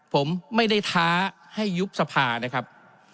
ผมไม่ได้ท้าให้ยุบสภานะครับ